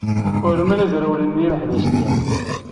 Urmen ad rewlen yimeḥbas-nni.